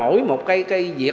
đó là một cái giải quyết